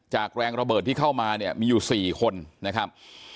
แรงระเบิดที่เข้ามาเนี่ยมีอยู่๔คนนะครับ